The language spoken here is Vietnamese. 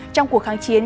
trong cuộc kháng chiến